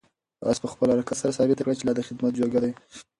آس په خپل حرکت سره ثابته کړه چې لا د خدمت جوګه دی.